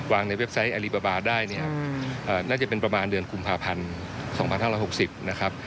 วางในเว็บไซต์อลีบาร์บาร์ได้น่าจะเป็นประมาณเดือนกุมภาพันธ์๒๕๖๐